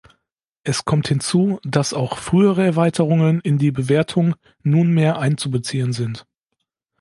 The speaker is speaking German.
Es kommt hinzu, dass auch frühere Erweiterungen in die Bewertung nunmehr einzubeziehen sind.